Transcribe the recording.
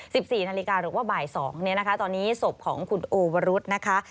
สิบสี่นาฬิกาหรือว่าบ่ายสองเนี่ยนะคะตอนนี้ศพของคุณโอวรุษนะคะ